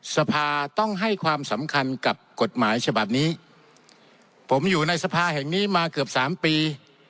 สภาต้องให้ความสำคัญกับกฎหมายฉบับนี้ผมอยู่ในสภาแห่งนี้มาเกือบสามปี